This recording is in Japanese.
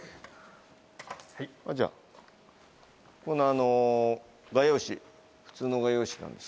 じゃあこのあの画用紙普通の画用紙なんですけど。